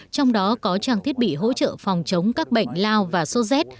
trong đó có trang thiết bị hỗ trợ phòng chống các bệnh lao và số z